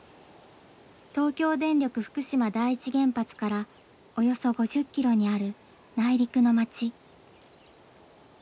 東京電力福島第一原発からおよそ５０キロにある内陸の町。